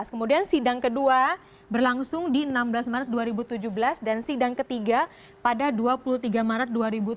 kemudian sidang kedua berlangsung di enam belas maret dua ribu tujuh belas dan sidang ketiga pada dua puluh tiga maret dua ribu tujuh belas